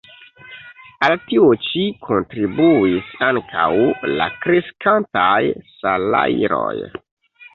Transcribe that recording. Al tio ĉi kontribuis ankaŭ la kreskantaj salajroj.